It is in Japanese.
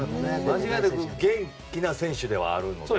間違いなく元気な選手ではあるので。